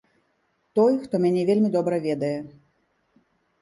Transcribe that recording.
Той, хто мяне вельмі добра ведае.